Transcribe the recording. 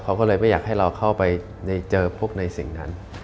เขาก็เลยไม่อยากให้เราเข้าไปเจอพบในสิ่งนั้น